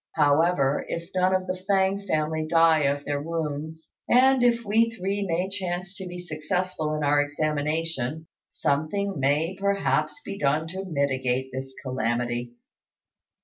However, if none of the Fêng family die of their wounds, and if we three may chance to be successful in our examination, something may perhaps be done to mitigate this calamity."